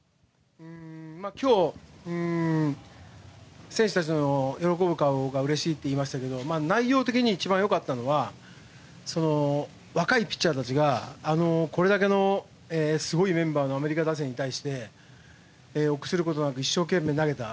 今日、選手たちの喜ぶ顔がうれしいといいましたが内容的に一番よかったのは若いピッチャーたちがこれだけのすごいメンバーのアメリカ打線に対して臆することなく一生懸命投げた。